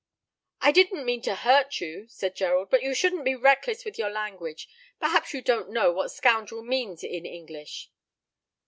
"I didn't mean to hurt you," said Gerald, "but you shouldn't be reckless with your language. Perhaps you don't know what scoundrel means in English."